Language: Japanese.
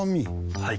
はい。